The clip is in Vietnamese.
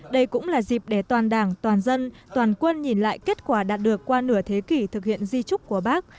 đây cũng là dịp để toàn đảng toàn dân toàn quân nhìn lại kết quả đạt được qua nửa thế kỷ thực hiện di trúc của bác